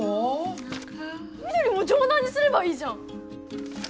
翠も城南にすればいいじゃん。